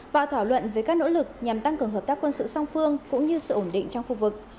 và thảo luận về các nỗ lực nhằm tăng cường hợp tác quân sự song phương cũng như sự ổn định trong khu vực